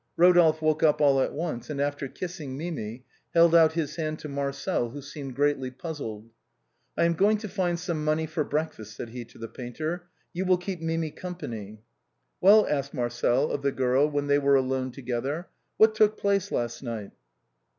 Rodolphe woke up all at once, and after kissing Mimi, held out his hand to Marcel, who seemed greatly puzzled. " I am going to find some money for breakfast," said he to the painter. " You will keep Mimi company." " Well," asked Marcel of the girl when they were alone together, " what took place last night